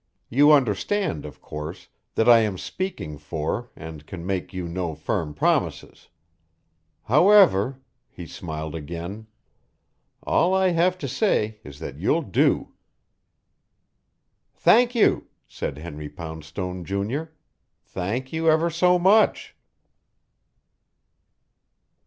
"You understand, of course, that I am speaking for and can make you no firm promises. However " He smiled again. "All I have to say is that you'll do!" "Thank you," said Henry Poundstone, Junior. "Thank you ever so much."